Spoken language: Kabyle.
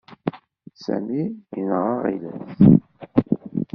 Sami yenɣa aɣilas.